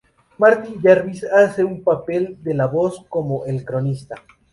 Martin Jarvis hace un papel de la voz como: "El Cronista".